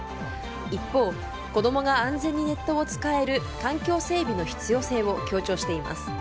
一方、子供が安全にネットを使える環境整備の必要性を強調しています。